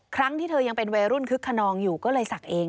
ครั้งที่เธอยังเป็นวัยรุ่นคึกขนองอยู่ก็เลยศักดิ์เอง